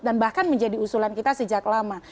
dan bahkan menjadi usulan kita sejak lama